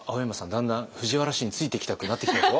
だんだん藤原氏についていきたくなってきたでしょ。